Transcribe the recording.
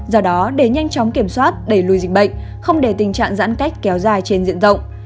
do đó để nhanh chóng kiểm soát đẩy lùi dịch bệnh không để tình trạng giãn cách kéo dài trên diện rộng